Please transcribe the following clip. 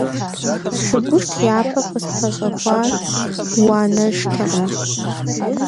Шыгушт япэ къыспэщӀэхуар, уанэштэкъым.